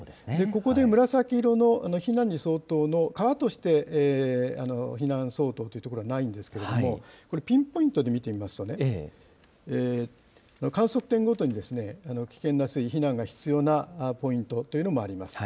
ここで紫色の避難に相当の、川として避難相当という所はないんですが、ピンポイントで見てみますと、観測点ごとに危険な水位、避難が必要なポイントというのもあります。